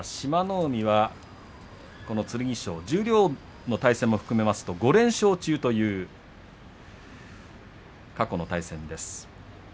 海は、剣翔十両の対戦も含めますと５連勝中という過去の対戦です。